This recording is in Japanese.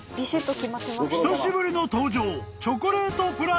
［久しぶりの登場］